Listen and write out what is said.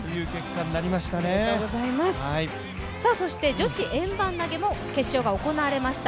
女子円盤投も決勝が行われました。